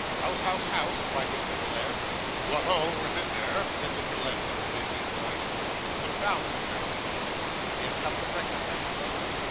'House, house, house!' cried Mr. Folair. 'What, ho! within there,' said Mr. Lenville, in a deep voice. 'Confound these fellows!' thought Nicholas; 'they have come to breakfast, I suppose.